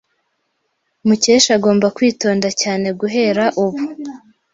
Mukesha agomba kwitonda cyane guhera ubu.